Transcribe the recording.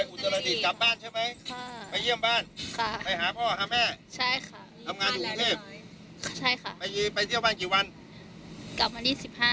โอเคนี่ไปไหนไปเที่ยวเหรอ